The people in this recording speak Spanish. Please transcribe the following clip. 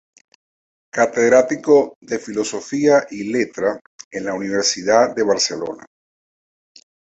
Catedrático de filosofía y letras en la Universidad de Barcelona.